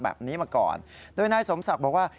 แบบนี้มาก่อนโดยนายสมศักดิ์บอกว่า